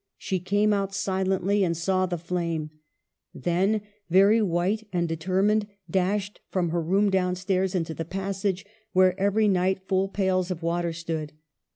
She came out silently and saw the flame ; then, very white and determined, dashed from her room down stairs into the passage, where every night full pails of water stood.